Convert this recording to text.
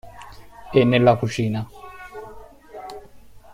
E nella cucina.